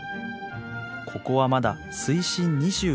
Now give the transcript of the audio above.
ここはまだ水深２５ｍ。